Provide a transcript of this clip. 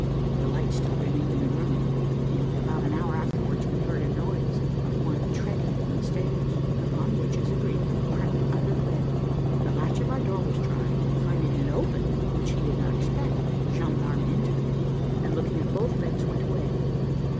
The light still remained in the room, and about an hour afterwards we heard a noise of one treading on the stairs, upon which, as agreed, we crept under the bed. The latch of our door was tried, and finding it open, which he did not expect, the gendarme entered, and looking at both beds, went away.